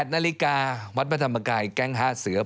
๘นาฬิกาวัดพระธรรมกายแก๊ง๕เสือ